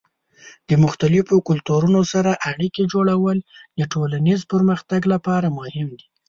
د مختلفو کلتورونو سره اړیکې جوړول د ټولنیز پرمختګ لپاره مهم دي.